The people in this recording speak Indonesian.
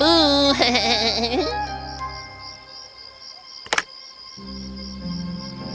ketua kita harus mencari algar